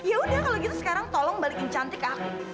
oh yaudah kalau gitu sekarang tolong balikin cantik ke aku